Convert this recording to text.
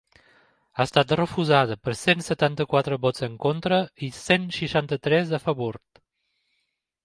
Ha estat refusada per cent setanta-quatre vots en contra i cent seixanta-tres a favor.